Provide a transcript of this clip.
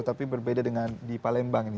tapi berbeda dengan di palembang ini